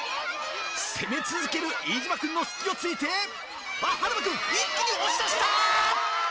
攻め続ける飯島君の隙をついて、あっ、はるま君、一気に押し出した。